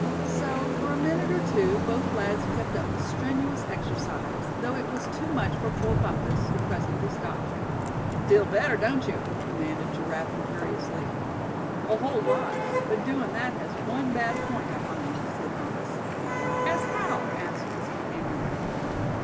So, for a minute or two both lads kept up a strenuous exercise, though it was too much for poor Bumpus, who presently stopped. "Feel better, don't you?" demanded Giraffe imperiously. "A whole lot; but doin' that has one bad point, I find," said Bumpus. "As how?" asked his companion.